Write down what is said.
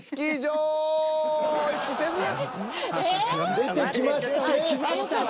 出てきましたね。